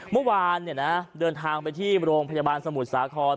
เมื่อวานเดินทางไปที่โรงพยาบาลสมุทรสาคร